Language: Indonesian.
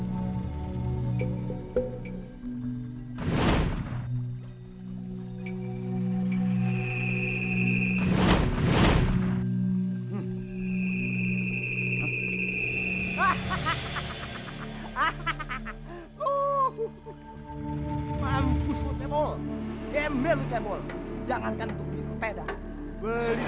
hahaha hahaha oh pampus kepol kepol jangan kan tunggu sepeda beli